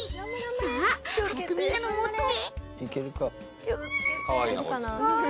さぁ早くみんなのもとへ！